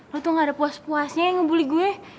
lo tuh gak ada puas puasnya yang ngebully gue